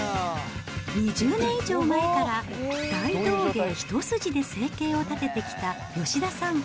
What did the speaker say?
２０年以上前から、大道芸一筋で生計を立ててきた吉田さん。